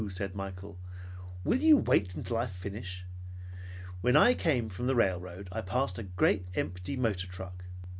said Michael. "Will you wait until I finish? When I came from the railroad, I passed a great empty motor truck.